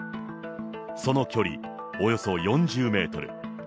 その距離、およそ４０メートル。